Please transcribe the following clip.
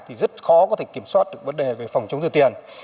thì rất khó có thể kiểm soát được vấn đề về phòng chống rửa tiền